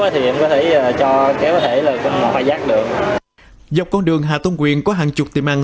mì mới cho kéo có thể là mò hoa giác được dọc con đường hà tôn quyền có hàng chục tiệm ăn